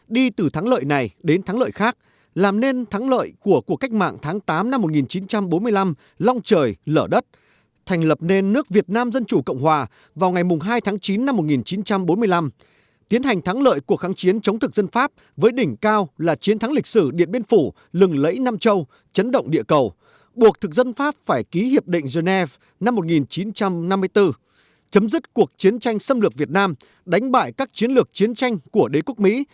đi từ thắng lợi này đến thắng lợi khác làm nên thắng lợi của cuộc cách mạng tháng tám năm một nghìn chín trăm bốn mươi năm long trời lở đất thành lập nên nước việt nam dân chủ cộng hòa vào ngày hai tháng chín năm một nghìn chín trăm bốn mươi năm tiến hành thắng lợi cuộc kháng chiến chống thực dân pháp với đỉnh cao là chiến thắng lịch sử điện biên phủ lừng lẫy nam châu chấn động địa cầu buộc thực dân pháp phải ký hiệp định genève năm một nghìn chín trăm năm mươi bốn chấm dứt cuộc chiến tranh xâm lược việt nam đánh bại các chiến lược chiến tranh của đế quốc mỹ